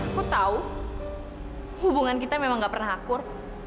aku tahu hubungan kita memang gak pernah akur